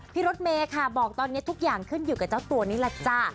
รถเมย์ค่ะบอกตอนนี้ทุกอย่างขึ้นอยู่กับเจ้าตัวนี่แหละจ้ะ